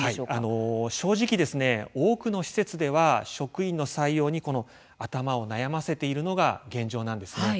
正直ですね多くの施設では職員の採用に頭を悩ませているのが現状なんですね。